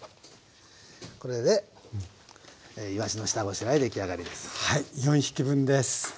これでいわしの下ごしらえ出来上がりです。